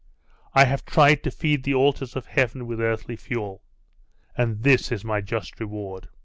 I have tried to feed the altars of heaven with earthly fuel.... And this is my just reward!